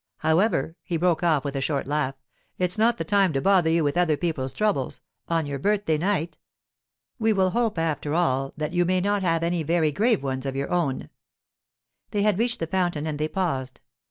However,' he broke off with a short laugh, 'it's not the time to bother you with other people's troubles—on your birthday night. We will hope, after all, that you may not have any very grave ones of your own.' They had reached the fountain and they paused.